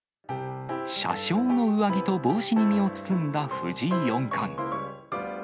車掌の上着と帽子に身を包んだ藤井四冠。